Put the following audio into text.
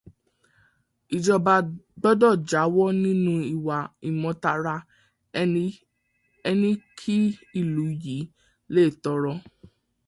Ìjọba gbọdọ̀ jáwọ́ nínú ìwà ìmọtara ẹni kí ìlú yìí le tòrò.